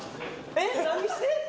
えっ、何してるの？